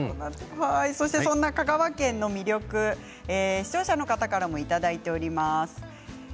そんな香川県の魅力を視聴者の方からもいただいています。